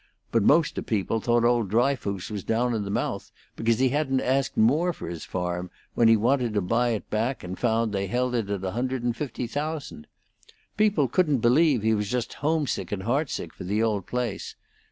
But most o' people thought old Dryfoos was down in the mouth because he hadn't asked more for his farm, when he wanted to buy it back and found they held it at a hundred and fifty thousand. People couldn't believe he was just homesick and heartsick for the old place.